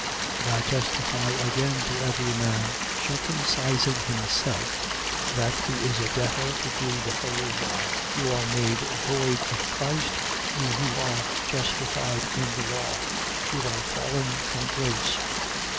5:3. And I testify again to every man circumcising himself that he is a debtor to do the whole law. 5:4. You are made void of Christ, you who are justified in the law: you are fallen from grace.